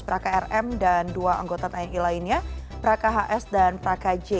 prakarm dan dua anggota tni lainnya prakhs dan prakaj